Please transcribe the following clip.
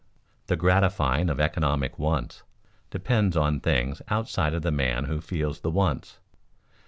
_The gratifying of economic wants depends on things outside of the man who feels the wants.